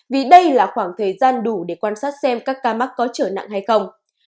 vì đây là khoảng thời gian đủ để quan sát xem các ca mắc có trở nặng hay không